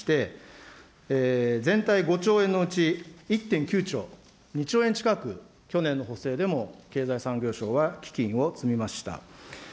１１事業、１０基金ありまして、全体５兆円のうち１．９兆、２兆円近く去年の補正でも経済産業省は基金を積みました。